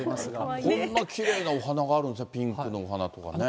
こんなきれいなお花があるんですね、ピンクのお花とかね。